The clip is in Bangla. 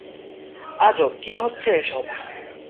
আজব কি হচ্ছে এসব?